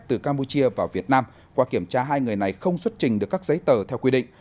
từ campuchia vào việt nam qua kiểm tra hai người này không xuất trình được các giấy tờ theo quy định